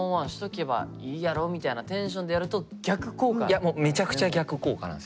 いやもうめちゃくちゃ逆効果なんですよ